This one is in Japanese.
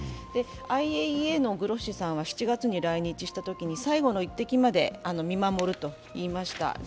ＩＡＥＡのグロッシさんは７月に来日したときに最後の一方的まで見守ると言いました。